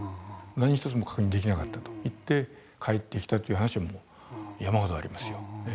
何一つもう確認できなかったといって帰ってきたという話はもう山ほどありますよ。